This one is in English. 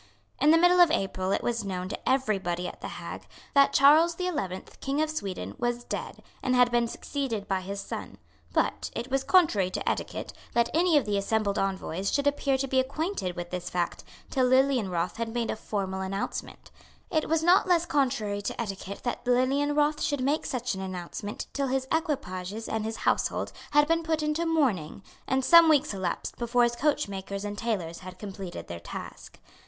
In the middle of April it was known to every body at the Hague that Charles the Eleventh, King of Sweden, was dead, and had been succeeded by his son; but it was contrary to etiquette that any of the assembled envoys should appear to be acquainted with this fact till Lilienroth had made a formal announcement; it was not less contrary to etiquette that Lilienroth should make such an announcement till his equipages and his household had been put into mourning; and some weeks elapsed before his coachmakers and tailors had completed their task.